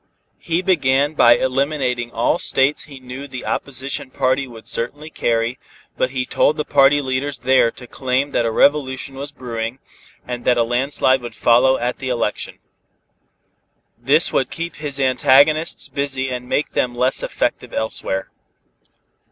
He began by eliminating all states he knew the opposition party would certainly carry, but he told the party leaders there to claim that a revolution was brewing, and that a landslide would follow at the election. This would keep his antagonists busy and make them less effective elsewhere.